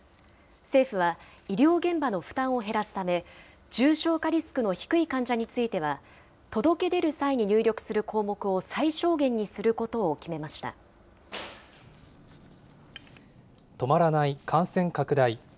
政府は、医療現場の負担を減らすため、重症化リスクの低い患者については、届け出る際に入力する項目を最小限にすることを決めま止まらない感染拡大。